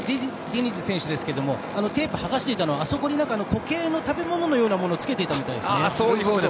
ディニズ選手ですがテープを剥がしていたのは固形の食べ物のようなものをつけていたようですね。